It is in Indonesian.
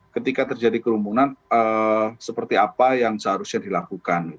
ketika terjadi kerumunan seperti apa yang seharusnya dilakukan